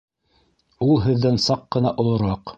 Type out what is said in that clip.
Ул һеҙҙән саҡ ҡына олораҡ.